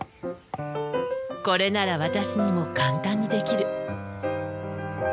これなら私にも簡単にできる。